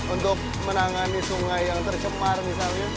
untuk menangani sungai yang tercemar misalnya